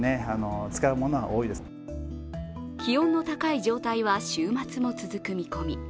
気温の高い状態は週末も続く見込み。